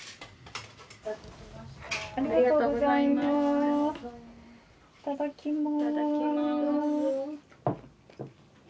ありがとうございますいただきます